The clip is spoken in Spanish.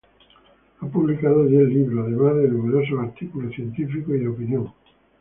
Ha publicado diez libros además de numerosos artículos científicos y de opinión.